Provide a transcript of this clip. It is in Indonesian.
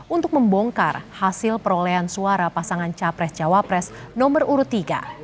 untuk membongkar hasil perolehan suara pasangan capres cawapres nomor urut tiga